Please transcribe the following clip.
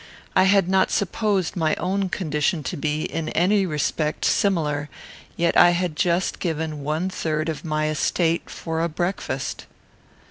I had not supposed my own condition to be, in any respect, similar; yet I had just given one third of my estate for a breakfast.